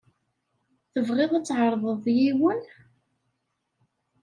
Tebɣiḍ ad tɛerḍeḍ yiwen?